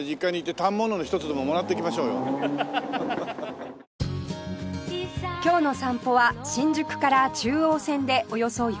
今日の散歩は新宿から中央線でおよそ４０分の八王子